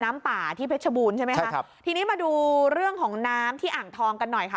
น้ำป่าที่เพชรบูรณ์ใช่ไหมคะครับทีนี้มาดูเรื่องของน้ำที่อ่างทองกันหน่อยค่ะ